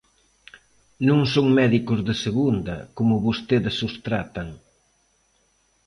Non son médicos de segunda, como vostedes os tratan.